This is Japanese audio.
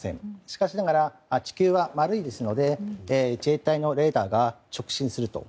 しかしながら地球は丸いですので自衛隊のレーダーが直進すると。